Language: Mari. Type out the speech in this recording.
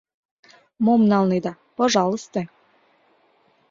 — Мом налнеда — пожалысте!